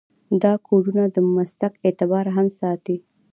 دا کودونه د مسلک اعتبار هم ساتي.